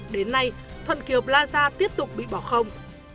đến nay thuận kiệp la ra tiếp tục bị bỏ không